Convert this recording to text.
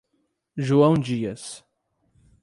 João Dias